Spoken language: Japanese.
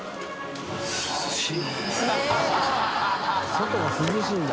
外が涼しいんだ。